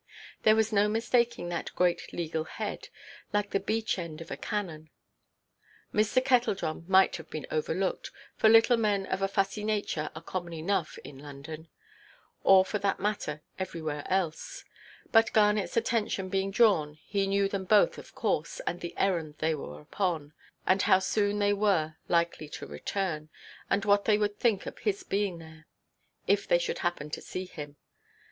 There was no mistaking that great legal head, like the breech–end of a cannon. Mr. Kettledrum might have been overlooked, for little men of a fussy nature are common enough in London, or for that matter everywhere else. But Garnetʼs attention being drawn, he knew them both of course, and the errand they were come upon, and how soon they were likely to return, and what they would think of his being there, if they should happen to see him.